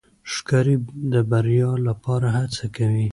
ښکاري د بریا لپاره هڅه کوي.